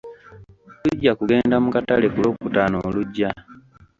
Tujja kugenda mu katale ku lwokutaano olujja.